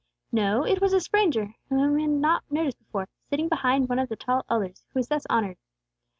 No, it was a stranger whom he had not noticed before, sitting behind one of the tall elders, who was thus honored.